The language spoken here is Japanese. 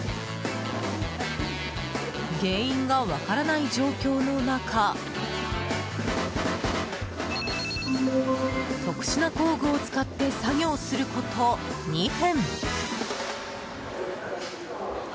原因が分からない状況の中特殊な工具を使って作業すること２分。